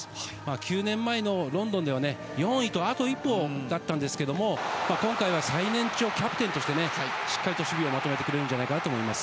９年前のロンドンでは４位とあと一歩だったですけれども、今回は最年長キャプテンとして、しっかりと守備をまとめてくれるんじゃないかなと思います。